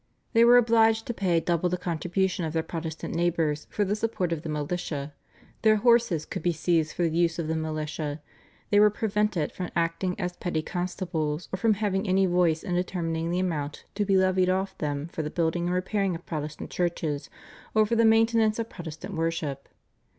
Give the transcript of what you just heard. They were obliged to pay double the contribution of their Protestant neighbours for the support of the militia; their horses could be seized for the use of the militia; they were prevented from acting as petty constables or from having any voice in determining the amount to be levied off them for the building and repairing of Protestant churches or for the maintenance of Protestant worship.